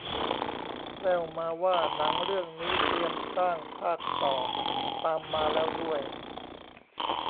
แว่วมาว่าหนังเรื่องนี้เตรียมสร้างภาคต่อตามมาแล้วด้วย